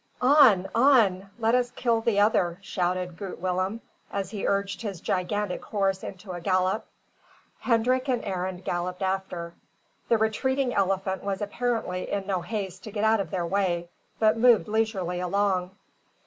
"On, on! let us kill the other," shouted Groot Willem, as he urged his gigantic horse into a gallop. Hendrik and Arend galloped after. The retreating elephant was apparently in no haste to get out of their way, but moved leisurely along.